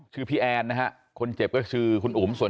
ชื่อพี่แอนนะครับคนเจ็บก็ชื่อคุณอุ๋มสน